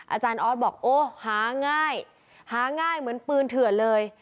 อาจารย์ออสบอกโอ้หาง่ายหาง่ายเหมือนปืนเถื่อนเลย